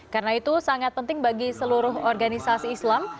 karena itu sangat penting bagi seluruh organisasi islam